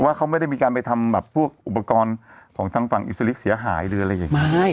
ว่าเขาไม่ได้มีการไปทำแบบพวกอุปกรณ์ของทางฝั่งอิสลิกเสียหายหรืออะไรอย่างนี้